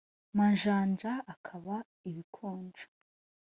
majanja akaba ibikonjo.